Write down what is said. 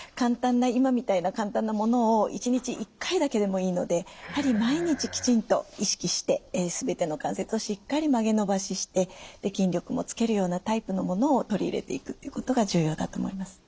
今みたいな簡単なものを１日１回だけでもいいのでやはり毎日きちんと意識して全ての関節をしっかり曲げ伸ばしして筋力もつけるようなタイプのものを取り入れていくっていうことが重要だと思います。